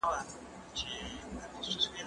زه هره ورځ کښېناستل کوم،